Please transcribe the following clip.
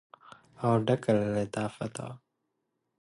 او ډکه له لطافت وه.